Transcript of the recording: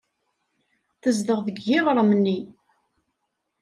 Tezdeɣ deg yiɣrem-nni.